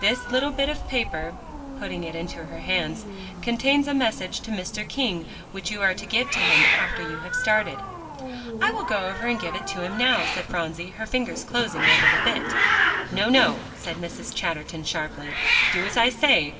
This little bit of paper," putting it into her hands, "contains a message to Mr. King, which you are to give him after you have started." "I will go and give it to him now," said Phronsie, her fingers closing over the bit. "No, no," said Mrs. Chatterton sharply, "do as I say.